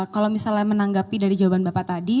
kalau misalnya menanggapi dari jawaban bapak tadi